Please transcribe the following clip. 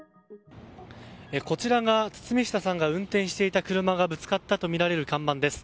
こちらが堤下さんが運転していた車がぶつかったとみられる看板です。